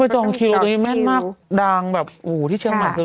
วันละ๒๒คิวตัวนี้แม่นมากดังแบบอู๋ที่เชียงมัน